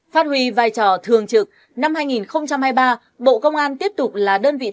phát huy vai trò thường trực năm hai nghìn hai mươi ba bộ công an tiếp tục là đơn vị